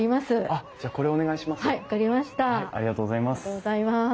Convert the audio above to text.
ありがとうございます。